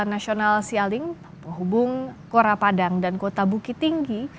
masyaring berhubung kora padang dan kota bukit tinggi